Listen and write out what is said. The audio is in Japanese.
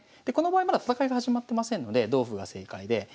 でこの場合まだ戦いが始まってませんので同歩が正解で。